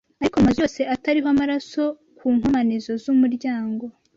Ariko mu mazu yose atariho amaraso ku nkomanizo z’umuryango